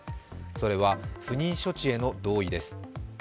それは、不妊処置への同意です。